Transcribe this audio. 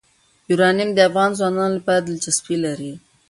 یورانیم د افغان ځوانانو لپاره دلچسپي لري.